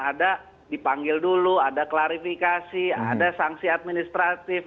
ada dipanggil dulu ada klarifikasi ada sanksi administratif